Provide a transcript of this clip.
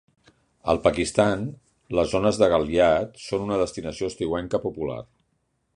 Al Pakistan, les zones de Galyat són una destinació estiuenca popular.